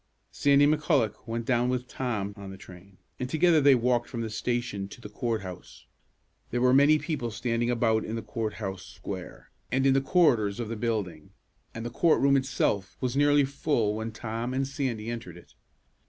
Sandy McCulloch went down with Tom on the train, and together they walked from the station to the Court House. There were many people standing about in the Court House Square, and in the corridors of the building, and the court room itself was nearly full when Tom and Sandy entered it.